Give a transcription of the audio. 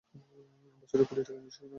বছরে কোটি টাকা নিশ্চয়ই নয়!